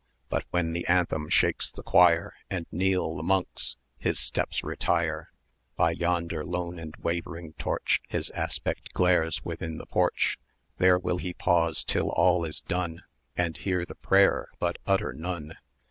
But when the anthem shakes the choir, And kneel the monks, his steps retire; By yonder lone and wavering torch His aspect glares within the porch; 890 There will he pause till all is done And hear the prayer, but utter none.